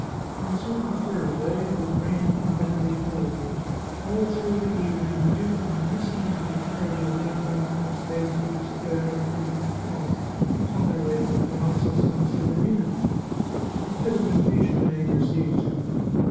On a certain Thursday it was raining and bitterly cold. All through the evening the duke had been listening to the carriages rattling across the pavement of the square in front of his palace, on their way to the Palazzo Sanseverina. A fit of impatient anger seized him.